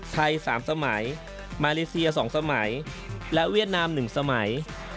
ไทย๓สมัยมาเลเซีย๒สมัยและเวียดนาม๑สมัย